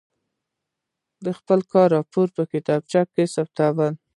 د خپل کار راپور په کتابچه کې ثبتاوه.